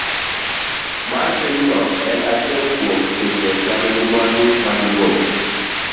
C. mar Pinyno en achiel kuom pinje ma nigi mwandu mag lowo